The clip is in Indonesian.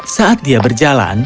saat dia berjalan